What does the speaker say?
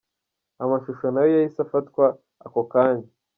Amashusho nayo yahise afatwa ako kanya.